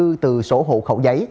dân cư từ sổ hộ khẩu giấy